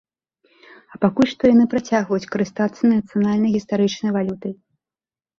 А пакуль што яны працягваюць карыстацца нацыянальнай гістарычнай валютай.